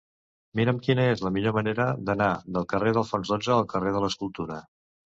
Mira'm quina és la millor manera d'anar del carrer d'Alfons dotze al carrer de l'Escultura.